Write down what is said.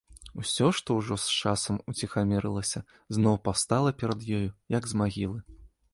Усё, што ўжо з часам уціхамірылася, зноў паўстала перад ёю, як з магілы.